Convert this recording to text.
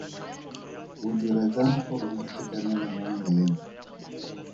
O dira jang gore a itekanele mo mmeleng?